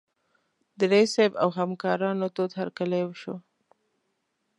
د رییس صیب او همکارانو تود هرکلی وشو.